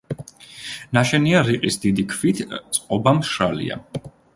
ნაშენია რიყის დიდი ქვით, წყობა მშრალია.